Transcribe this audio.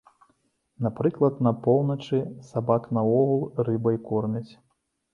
Напрыклад, на поўначы сабак наогул рыбай кормяць.